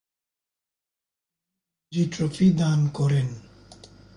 তিনি রঞ্জী ট্রফি দান করেন।